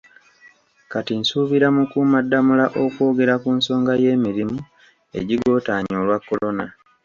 Kati nsuubira Mukuumaddamula okwogera ku nsonga y'emirimu egigootaanye olwa Corona